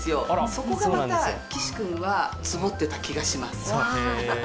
そこがまた岸君はツボってた気がします。